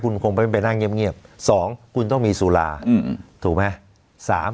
คุณคงไปไปนั่งเงียบเงียบสองคุณต้องมีสุราอืมถูกไหมสาม